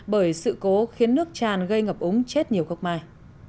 bởi sự cố khiến nước tràn gây ngập úng chết nhiều gốc mai